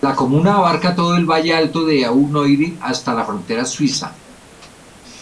La comuna abarca todo el valle alto del Eau Noire, hasta la frontera suiza.